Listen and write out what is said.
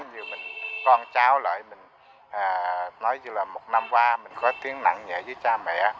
như mình con cháu lại mình nói như là một năm qua mình có tiếng nặng về với cha mẹ